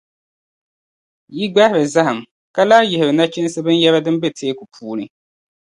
Yi gbahiri zahim, ka lahi yihiri nachinsi binyεra din be Teeku puuni.